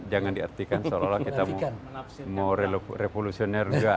jangan diartikan seolah olah kita mau revolusioner juga